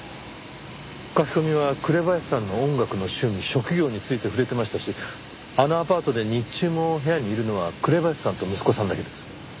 書き込みは紅林さんの音楽の趣味職業について触れてましたしあのアパートで日中も部屋にいるのは紅林さんと息子さんだけです。